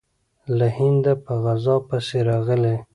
له هنده په غزا پسې راغلی.